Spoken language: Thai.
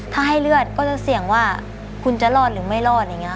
ถ้าให้เลือดก็จะเสี่ยงว่าคุณจะรอดหรือไม่รอดอะไรอย่างนี้